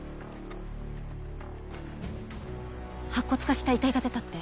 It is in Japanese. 白骨化した遺体が出たって。